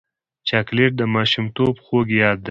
چاکلېټ د ماشومتوب خوږ یاد دی.